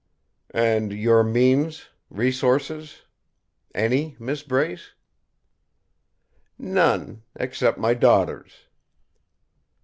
"And your means, resources. Any, Mrs. Brace?" "None except my daughter's."